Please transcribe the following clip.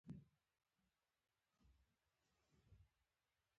د زړه نغمه یوازې ځینې اوري